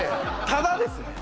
ただですね